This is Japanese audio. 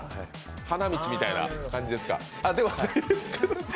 花道みたいな感じですか？